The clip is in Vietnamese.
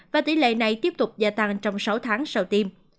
và tỷ lệ này tiếp tục gia tăng trong sáu tháng sau tiêm